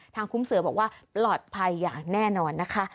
คุ้มเสือบอกว่าปลอดภัยอย่างแน่นอนนะคะ